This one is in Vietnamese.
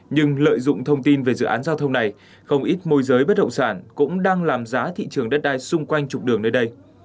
nhưng lợi dụng thông tin về dự án giao thông này không ít môi giới bất động sản cũng đang làm giá thị trường đất đai xung quanh trục đường nơi đây